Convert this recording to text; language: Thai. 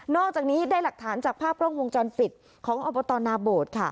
อกจากนี้ได้หลักฐานจากภาพกล้องวงจรปิดของอบตนาโบดค่ะ